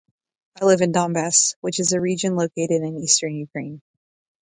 I live in Donbass, which is a region located in eastern Ukraine.